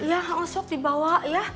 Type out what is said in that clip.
iya langsung dibawa ya